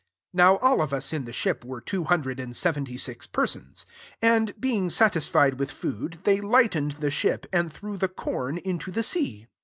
Now all of us in the ship two hundred and se¥eB^ « persons. 38 And being salMd with food, they lightened *i ship, and threw the com IbM the sea.